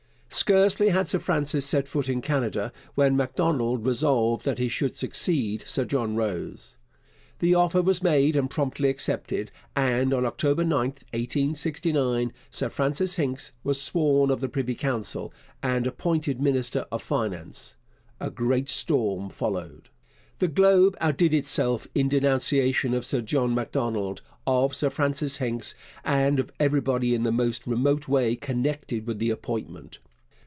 Scarcely had Sir Francis set foot in Canada when Macdonald resolved that he should succeed Sir John Rose. The offer was made and promptly accepted, and on October 9, 1869, Sir Francis Hincks was sworn of the Privy Council and appointed minister of Finance. A great storm followed. The Globe outdid itself in denunciation of Sir John Macdonald, of Sir Francis Hincks, and of everybody in the most remote way connected with the appointment.